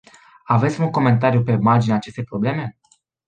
Aveți vreun comentariu pe marginea acestei probleme?